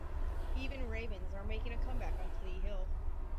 Even ravens are making a comeback on Clee Hill.